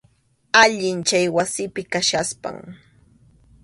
Allin chay wasipi kachkaspam.